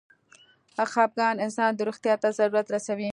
خپګان انسان د روغتيا ته ضرر رسوي.